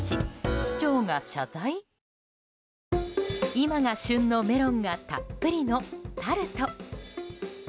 今が旬のメロンがたっぷりのタルト。